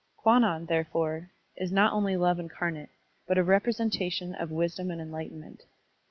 Kwannon, therefore, is not only love incarnate, but a representation of wisdom and enlighten ment.